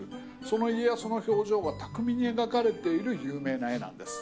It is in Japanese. その家康の表情が巧みに描かれている有名な絵なんです。